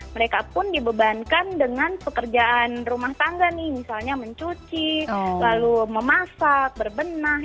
mereka pun dibebankan dengan pekerjaan rumah tangga nih misalnya mencuci lalu memasak berbenah